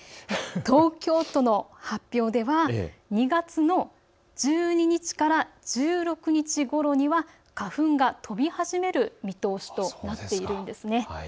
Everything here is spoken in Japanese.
東京都の発表では２月の１２日から１６日ごろには花粉が飛び始める見通しとなっているんです。